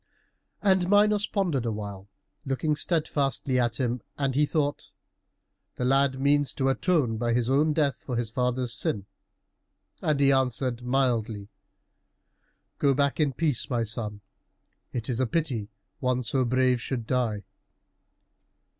And Minos pondered a while, looking steadfastly at him, and he thought, "The lad means to atone by his own death for his father's sin;" and he answered mildly, "Go back in peace, my son. It is a pity that one so brave should die."